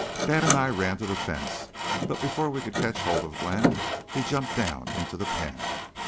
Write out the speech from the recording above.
'" "Dad an' I ran to the fence, but before we could catch hold of Glenn he'd jumped down into the pen."